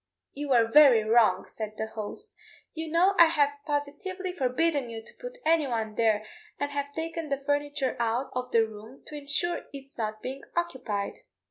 "You were very wrong," said the host; "you know I have positively forbidden you to put anyone there, and have taken the furniture out of the room to ensure its not being occupied."